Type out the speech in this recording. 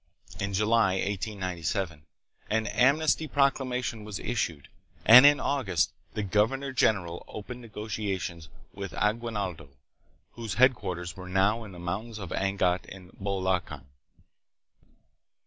In July, 1897, an amnesty proclamation was issued, and in August the governor general opened negotiations with Aguinaldo, whose headquarters were now in the mountains of Angat in Bulacan.